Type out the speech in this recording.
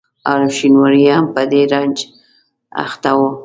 عارف شینواری هم په دې رنځ اخته دی.